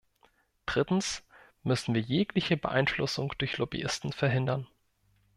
Drittens müssen wir jegliche Beeinflussung durch Lobbyisten verhindern.